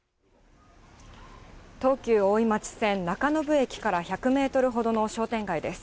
東急大井町線、中延駅から１００メートルほどの商店街です。